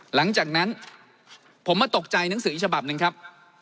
หลังจากนั้นผมมาตกใจหนังสืออีกฉบับหนึ่งครับ